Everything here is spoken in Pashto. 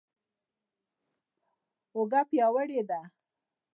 اوږه پیاوړې دي.